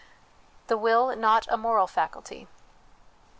The Will not a Moral Faculty.